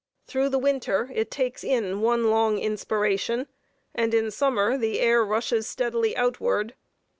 Through the winter it takes one long inspiration, and in summer the air rushes steadily outward.